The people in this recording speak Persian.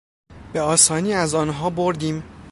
به آسانی از آنها بردیم.